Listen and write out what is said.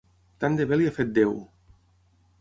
Tant de bé li ha fet Déu!